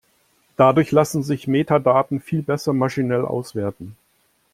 Dadurch lassen sich Metadaten viel besser maschinell auswerten.